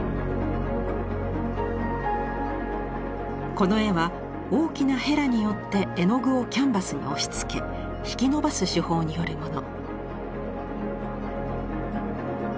この絵は大きなへらによって絵の具をキャンバスに押しつけ引き伸ばす手法によるもの。